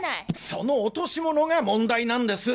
その落とし物が問題なんです。